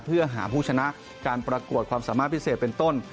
เพื่อหาผู้ชนะการประกวดความสามารถพิเศษเป็นต้น